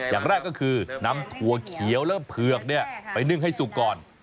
อย่างแรกก็คือนำถั่วเขียวและเผือกไปนึ่งให้สุกก่อน